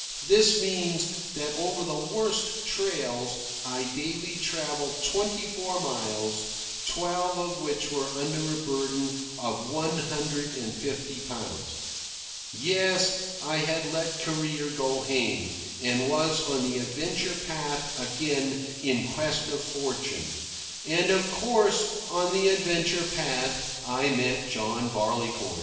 This means that over the worst trails I daily travelled twenty four miles, twelve of which were under a burden of one hundred and fifty pounds. Yes, I had let career go hang, and was on the adventure path again in quest of fortune. And of course, on the adventure path, I met John Barleycorn.